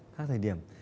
khác thời điểm